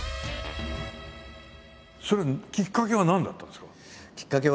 それきっかけは何だったんですか？